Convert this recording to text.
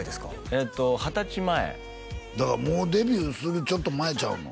えっと二十歳前だからもうデビューするちょっと前ちゃうの？